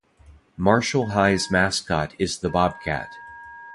Marshall High's mascot is the bobcat.